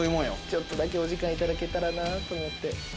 ちょっとだけお時間いただけたらなと思って。